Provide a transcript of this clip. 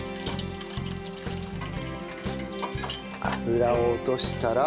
油を落としたら。